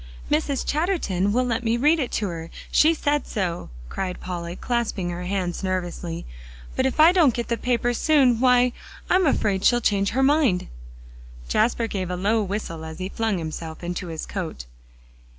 "Mrs. Chatterton will let me read it to her; she said so," cried Polly, clasping her hands nervously, "but if I don't get the paper soon, why, I'm afraid she'll change her mind." Jasper gave a low whistle as he flung himself into his coat.